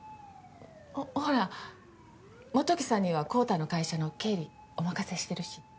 ほほら基樹さんには昂太の会社の経理お任せしてるし。